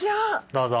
どうぞ。